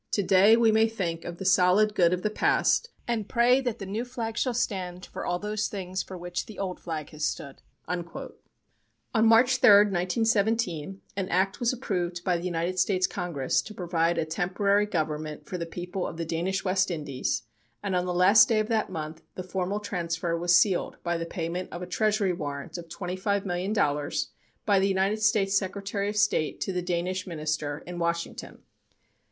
Today we may think of the solid good of the past, and pray that the new flag shall stand for all those things for which the old flag has stood." On March 3, 1917, an act was approved by the United States Congress to provide a temporary government for the people of the Danish West Indies, and on the last day of that month the formal transfer was sealed by the payment of a treasury warrant of $25,000,000 by the United States Secretary of State to the Danish Minister in Washington.